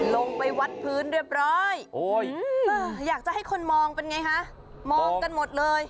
ลงไปวัดพื้นเรียบร้อยอยากจะให้คนมองเป็นไงคะมองกันหมดเลย